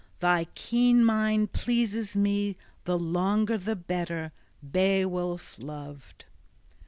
Thy keen mind pleases me the longer the better, Beowulf loved!